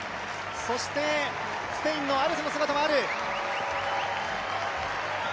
そしてスペインのアルセの姿もある。